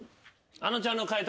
あのちゃんの解答